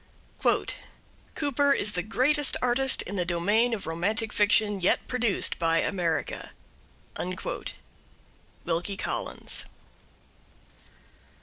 Cooper is the greatest artist in the domain of romantic fiction yet produced by America. Wilkie Collins.